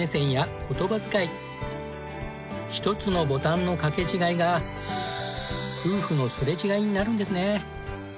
１つのボタンの掛け違いが夫婦のすれ違いになるんですね。